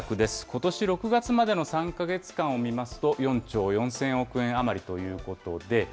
ことし６月までの３か月間を見ますと、４兆４０００億円余りということで。